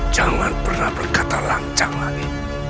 jangan pernah berkata lancang lagi